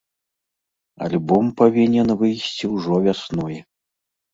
Альбом павінен выйсці ўжо вясной.